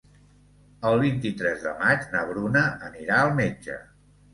El vint-i-tres de maig na Bruna anirà al metge.